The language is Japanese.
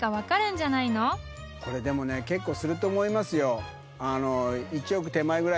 これでもね結構すると思いますよ。